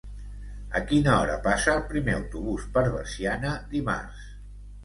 A quina hora passa el primer autobús per Veciana dimarts?